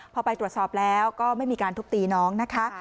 พอไปตรวจสอบแล้วก็ไม่มีการทุบตีน้องนะคะ